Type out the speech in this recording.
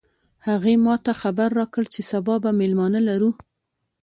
هغې ما ته خبر راکړ چې سبا به مېلمانه لرو